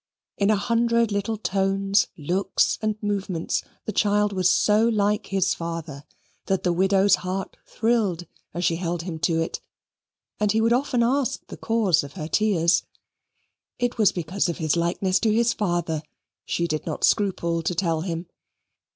In a hundred little tones, looks, and movements, the child was so like his father that the widow's heart thrilled as she held him to it; and he would often ask the cause of her tears. It was because of his likeness to his father, she did not scruple to tell him.